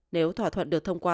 nếu thỏa thuận được thông qua